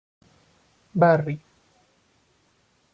Barrie.